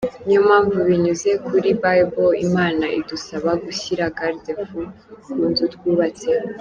Niyo mpamvu binyuze kuli Bible, imana idusaba gushyira Garde-fous ku nzu twubatse.